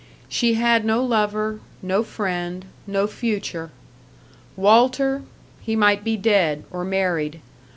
She had no lover, no friend, no future. Walter he might be dead, or married.